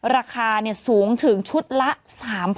ราคาเนี่ยสูงถึงชุดละ๓๐๐๐บาท